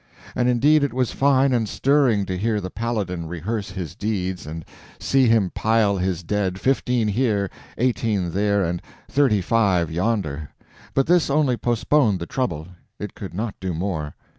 And indeed it was fine and stirring to hear the Paladin rehearse his deeds and see him pile his dead, fifteen here, eighteen there, and thirty five yonder; but this only postponed the trouble; it could not do more.